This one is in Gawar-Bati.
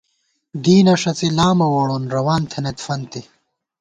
دینہ ݭڅی لامہ ووڑون ، روان تھنَئیت فنتے